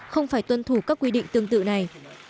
không phải tuân thủ các quy định tương tự này